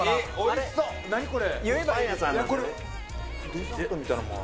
デザートみたいなのも。